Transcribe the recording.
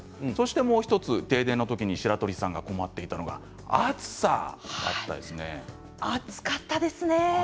もう１つ、停電の時に白鳥さんが困っていたのが暑かったですね。